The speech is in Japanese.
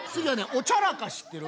おちゃらか知ってる？